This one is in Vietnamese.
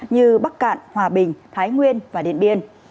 như bắc cạn hòa bình thái nguyên và điện biên